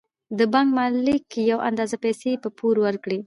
د بانک مالک یوه اندازه پیسې په پور ورکوي